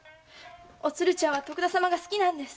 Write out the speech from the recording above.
おつるちゃんは徳田様が好きなんです。